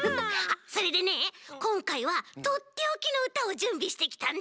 それでねこんかいはとっておきのうたをじゅんびしてきたんだ。